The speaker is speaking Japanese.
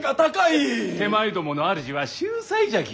手前どもの主は秀才じゃき。